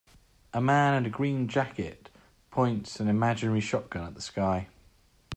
A male in a green jacket points an imaginary shotgun at the sky.